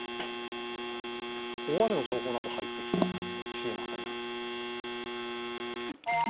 大雨の情報などが入ってきています。